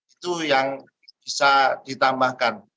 itu yang bisa ditambahkan